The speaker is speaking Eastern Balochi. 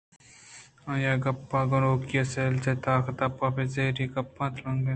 آئی ءَ پہ گنوکی سلیج ءِ تاک ءِ دپ پہ زبری ءَ گپت ءُتیلانک دات